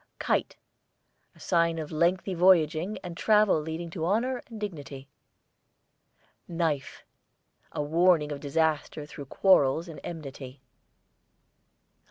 KITE, a sign of lengthy voyaging and travel leading to honour and dignity. KNIFE, a warning of disaster through quarrels and enmity.